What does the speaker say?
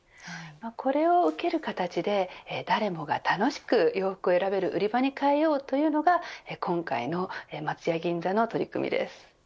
これを受ける形で誰もが楽しく洋服を選べる売り場に変えようというのが今回の松屋銀座の取り組みです。